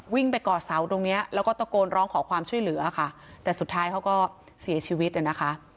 ไปก่อเสาตรงเนี้ยแล้วก็ตะโกนร้องขอความช่วยเหลือค่ะแต่สุดท้ายเขาก็เสียชีวิตนะคะ